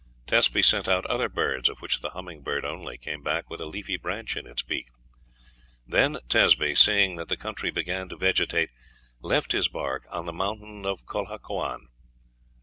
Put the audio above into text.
Tezpi sent out other birds, of which the humming bird only came back with a leafy branch in its beak. Then Tezpi, seeing that the country began to vegetate, left his bark on the mountain of Colhuacan.